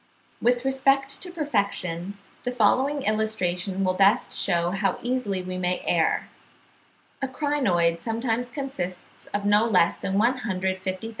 With respect to perfection, the following illustration will best shew how easily we may err: a Crinoid sometimes consists of no less than 150,000 pieces of shell (71.